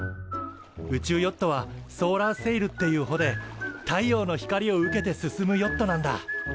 宇宙ヨットはソーラーセイルっていうほで太陽の光を受けて進むヨットなんだ。